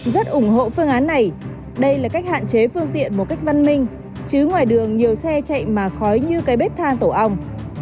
rất ủng hộ phương án này đây là cách hạn chế phương tiện một cách văn minh chứ ngoài đường nhiều xe chạy mà khói như cái bếp than tổ ong